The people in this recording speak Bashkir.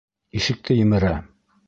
Ишекте емерә!